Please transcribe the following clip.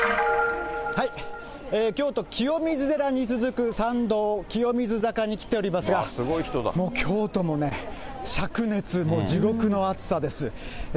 京都・清水寺に続く参道、清水坂に来ていますが、もう京都もね、しゃく熱、もう地獄の暑さです。